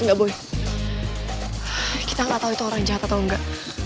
enggak boy kita enggak tahu itu orang jahat atau enggak